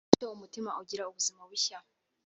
bityo umutima ugira ubuzima bushya